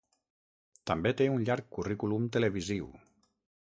També té un llarg currículum televisiu.